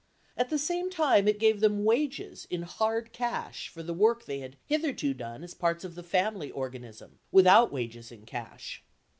At the same time it gave them wages in hard cash for the work they had hitherto done as parts of the family organism, without wages in cash.